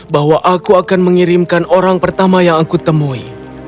bahwa aku akan mengirimkan orang pertama yang aku temui